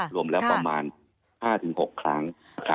รวมแล้วประมาณ๕๖ครั้ง